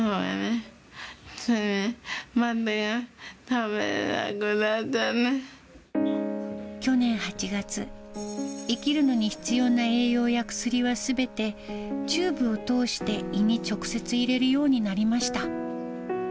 食べ物がね、去年８月、生きるのに必要な栄養や薬はすべてチューブを通して胃に直接入れるようになりました。